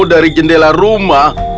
dari jendela rumah